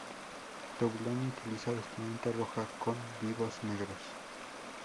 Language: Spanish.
Toulon utiliza vestimenta roja con vivos negros.